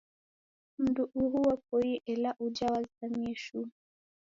Mundu uhu wapoie ela uja wazamie shuu